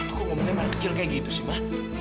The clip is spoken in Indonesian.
apa kau ngomongnya anak kecil kayak gitu sih ma